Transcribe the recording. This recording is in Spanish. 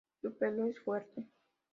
Su pelo es fuerte.